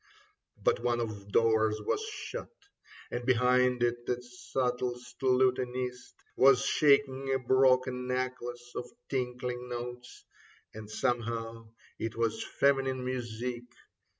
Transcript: But one of the doors was shut, And behind it the subtlest lutanist Was shaking a broken necklace of tinkling notes, And somehow it was feminine music.